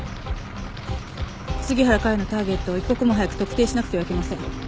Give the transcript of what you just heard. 杉原佳代のターゲットを一刻も早く特定しなくてはいけません。